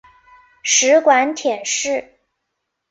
食管憩室。